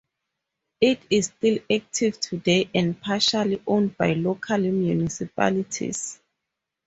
It is still active today and partially owned by local municipalities.